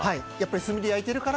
炭で焼いてるから。